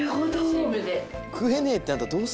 チームで。